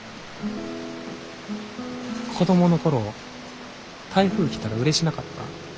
子供の頃台風来たらうれしなかった？